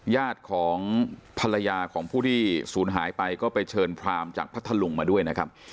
ญาติของภรรยาของผู้ที่ศูนย์หายไปก็ไปเชิญพรามจากพัทธลุงมาด้วยนะครับ